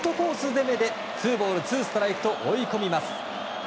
攻めでツーボールツーストライクと追い込みます。